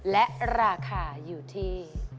และราคาอยู่ที่